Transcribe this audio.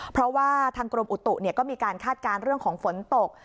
เพราะว่าทางกรมอุตุก็มีการคาดการณ์เรื่องของฝนตก